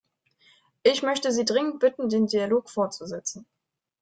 Ich möchte Sie dringend bitten, den Dialog fortzusetzen.